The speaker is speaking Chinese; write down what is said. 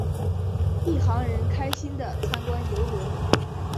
一行人开心的参观邮轮。